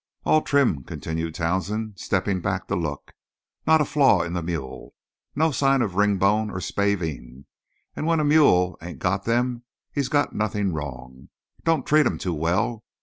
"All trim," continued Townsend, stepping back to look. "Not a flaw in the mule; no sign of ringbone or spavin, and when a mule ain't got them, he's got nothin' wrong. Don't treat him too well.